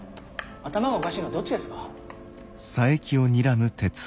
頭がおかしいのはどっちですか。